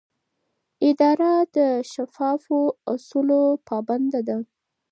اداره د شفافو اصولو پابنده ده.